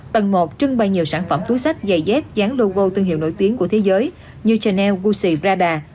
tầng một trưng bày nhiều sản phẩm túi sách dày dép dán logo tương hiệu nổi tiếng của thế giới như chanel gucci prada